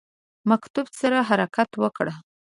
مکتوب سره حرکت وکړ.